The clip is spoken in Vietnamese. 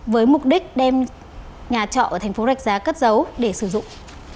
với mục đích đem nhà trọ ở tp rạch giá cất dấu để sử dụng